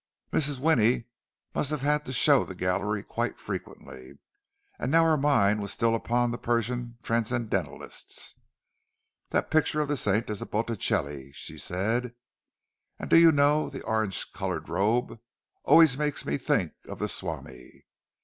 Mrs. Winnie must have had to show the gallery quite frequently; and now her mind was still upon the Persian transcendentalists. "That picture of the saint is a Botticelli," she said. "And do you know, the orange coloured robe always makes me think of the swami.